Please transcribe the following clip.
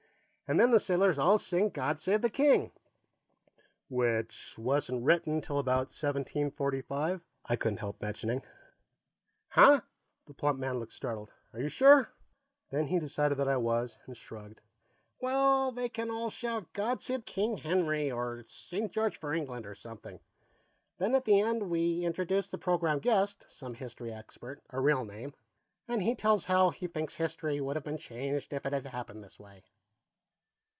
"And then, the sailors all sing God Save the King." "Which wasn't written till about 1745," I couldn't help mentioning. "Huh?" The plump man looked startled. "Are you sure?" Then he decided that I was, and shrugged. "Well, they can all shout, 'God Save King Henry!' or 'St. George for England!' or something. Then, at the end, we introduce the program guest, some history expert, a real name, and he tells how he thinks history would have been changed if it had happened this way."